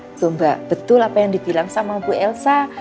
itu mbak betul apa yang dibilang sama bu elsa